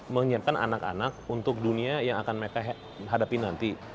menyiapkan anak anak untuk dunia yang akan mereka hadapi nanti